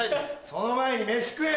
その前に飯食え！